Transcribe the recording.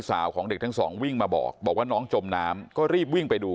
แล้วน้องอีกคนหนึ่งจะขึ้นปรากฏว่าต้องมาจมน้ำเสียชีวิตทั้งคู่